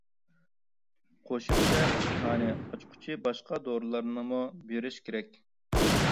قوشۇمچە ئىشتىھانى ئاچقۇچى باشقا دورىلارنىمۇ بېرىش كېرەك.